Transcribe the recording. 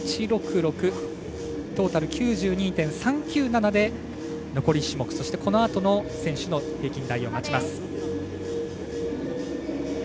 トータル９２．３９７で残り種目、このあとの選手の平均台を待ちます。